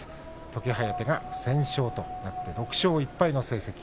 時疾風が不戦勝となって６勝１敗の成績。